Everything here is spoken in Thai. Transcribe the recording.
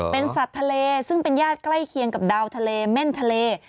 เป็นสัตว์ทะเลซึ่งเป็นญาติใกล้เคียงกับดาวทะเลเม่นทะเล